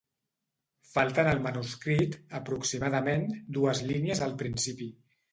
Falten al manuscrit, aproximadament, dues línies al principi.